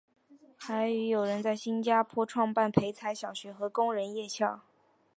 还与友人在新加坡创办培才小学和工人夜校。